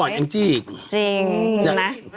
จริงนี่นะ